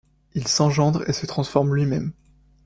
Il s’engendre et se transforme lui-même.